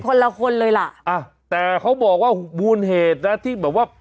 คนละคนเลยล่ะอ่ะแต่เขาบอกว่ามูลเหตุนะที่แบบว่า